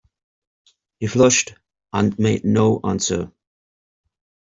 He flushed and made no answer.